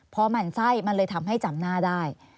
พอหมั่นไส้มันเลยทำให้จำหน้าได้